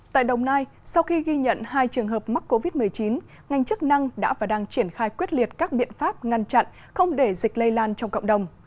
tại đồng nai sau khi ghi nhận hai trường hợp mắc covid một mươi chín ngành chức năng đã và đang triển khai quyết liệt các biện pháp ngăn chặn không để dịch lây lan trong cộng đồng